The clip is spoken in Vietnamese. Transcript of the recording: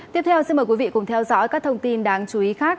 tiếp theo xin mời quý vị cùng theo dõi các thông tin đáng chú ý khác